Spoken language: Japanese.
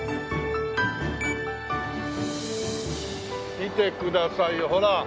見てくださいほら。